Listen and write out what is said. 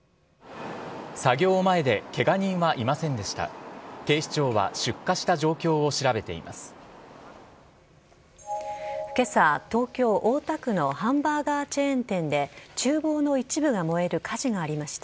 作業前でけが人はいませんでした。